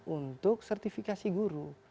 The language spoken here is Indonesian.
untuk sertifikasi guru